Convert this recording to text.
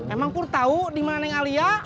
emang pur tau dimana yang alia